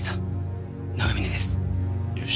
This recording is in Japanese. よし。